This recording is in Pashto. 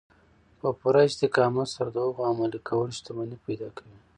په پوره استقامت سره د هغو عملي کول شتمني پيدا کوي.